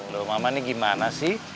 loh mama ini gimana sih